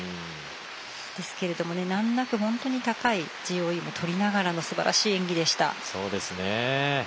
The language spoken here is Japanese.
ですけれども難なく高いＧＯＥもとりながらすばらしい演技でした。